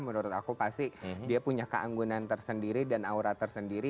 menurut aku pasti dia punya keanggunan tersendiri dan aura tersendiri